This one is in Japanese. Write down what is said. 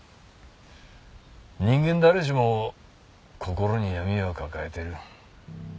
人間誰しも心に闇を抱えてる。